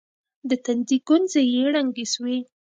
د تندي گونځې يې ړنګې سوې.